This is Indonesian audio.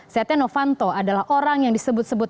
setia novanto adalah orang yang disebut sebut